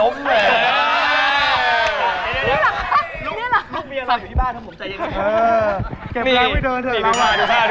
เนี่ยหรอ